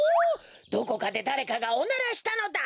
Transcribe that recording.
どこかでだれかがおならしたのだ。